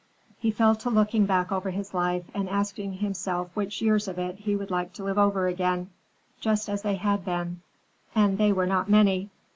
He fell to looking back over his life and asking himself which years of it he would like to live over again,—just as they had been,—and they were not many.